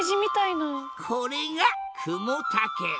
これがクモタケ。